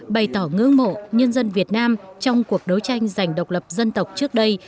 bày tỏ ngưỡng mộ nhân dân việt nam trong cuộc đấu tranh giành độc lập dân tộc trước đây